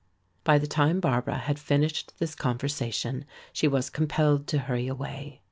By the time Barbara had finished this conversation she was compelled to hurry away.